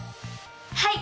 はい！